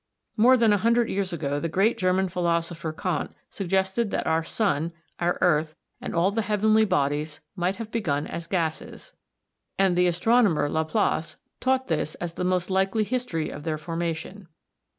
More than a hundred years ago the great German philosopher Kant suggested that our sun, our earth, and all the heavenly bodies might have begun as gases, and the astronomer Laplace taught this as the most likely history of their formation.